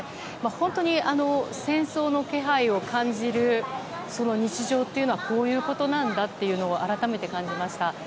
本当に、戦争の気配を感じる日常というのはこういうことなんだって改めて感じました。